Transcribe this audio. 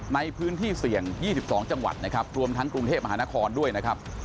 ในพื้นที่เสี่ยง๒๒จังหวัดนะครับรวมทั้งกรุงเทพมหานครด้วยนะครับ